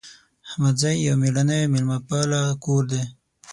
احمدزی یو میړنۍ او میلمه پاله کور ده